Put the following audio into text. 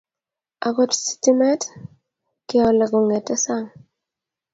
akot sitimet keole kongete sang